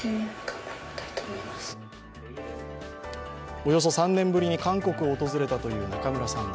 およそ３年ぶりに韓国を訪れたという仲邑三段。